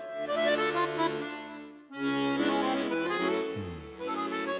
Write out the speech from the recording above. うん。